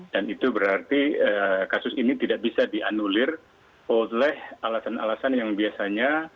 dan itu berarti kasus ini tidak bisa dianulir oleh alasan alasan yang biasanya